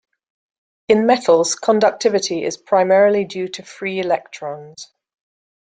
In metals conductivity is primarily due to free electrons.